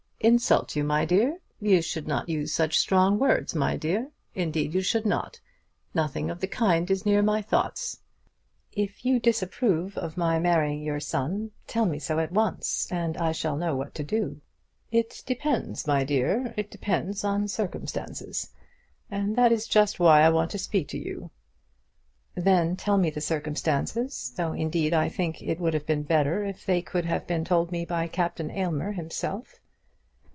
"Insult you, my dear! You should not use such strong words, my dear; indeed you should not. Nothing of the kind is near my thoughts." "If you disapprove of my marrying your son, tell me so at once, and I shall know what to do." "It depends, my dear; it depends on circumstances, and that is just why I want to speak to you." "Then tell me the circumstances, though indeed I think it would have been better if they could have been told to me by Captain Aylmer himself."